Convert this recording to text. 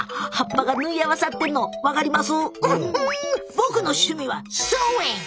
僕の趣味はソーイング！